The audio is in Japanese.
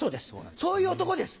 そういう男です。